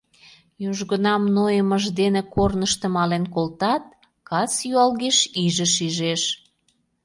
Южгунам нойымыж дене корнышто мален колтат, кас юалгеш иже шижеш.